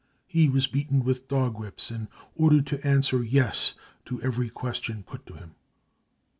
He was beaten with dog whips and ordered to answer 6 Yes 5 to every question put to him.